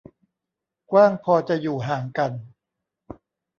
กว้างพอจะอยู่ห่างกัน